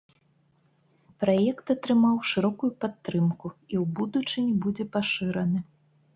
Праект атрымаў шырокую падтрымку і ў будучыні будзе пашыраны.